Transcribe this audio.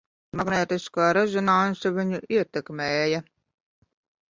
Magnētiskā rezonanse viņu ietekmēja.